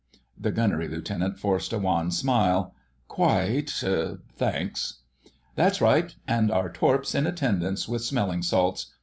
The Gunnery Lieutenant forced a wan smile. "Quite—thanks." "That's right! And our Torps in attendance with smelling salts....